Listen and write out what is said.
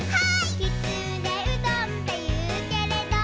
「きつねうどんっていうけれど」